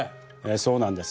そうなんです。